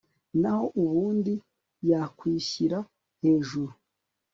naho ubundi yakwishyira hejuru